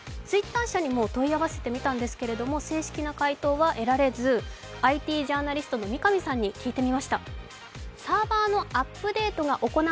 Ｔｗｉｔｔｅｒ社にも問い合わせてみたんですけど、正式な回答は得られず、ＩＴジャーナリストの三上さんに聞いてみました。